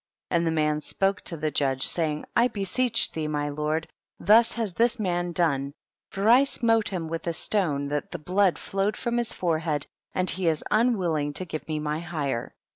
20. And the man spoke to the judge, saying, I beseech thee my lord, thus has this man done, for I smote him with a stone that the blood flowed from his forehead, and he is unwil ling to give me my hire.